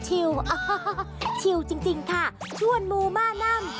ชิวจริงค่ะช่วนมูมาน้ำ